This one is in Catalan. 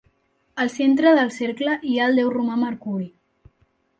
Al centre del cercle hi ha el déu romà Mercuri.